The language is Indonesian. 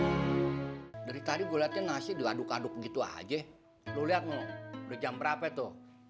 hai dari tadi gue lihatnya nasi diaduk aduk gitu aja lu lihat ngomong berjam berapa itu